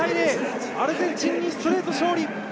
アルゼンチンにストレート勝利。